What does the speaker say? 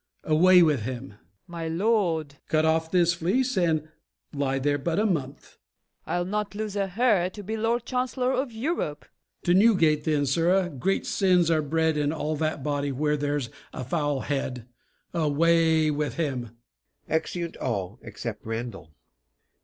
Away with him! FAULKNER. My lord MORE. Cut off this fleece, and lie there but a month. FAULKNER. I'll not lose a hair to be Lord Chancellor of Europe. MORE. To Newgate, then. Sirrah, great sins are bred In all that body where there's a foul head. Away with him. [Exeunt all except Randall.